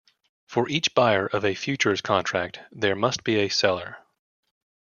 For each buyer of a futures contract there must be a seller.